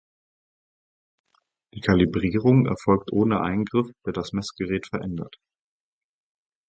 Die Kalibrierung erfolgt ohne Eingriff, der das Messgerät verändert.